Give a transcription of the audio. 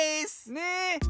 ねえ。